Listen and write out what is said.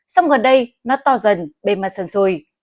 xong gần đây nó to dần bề mặt sần rùi